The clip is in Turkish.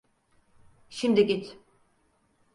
Şimdi git.